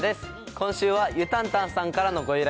今週はゆたんたんさんからのご依